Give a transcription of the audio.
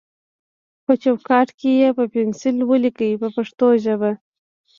په چوکاټ کې یې په پنسل ولیکئ په پښتو ژبه.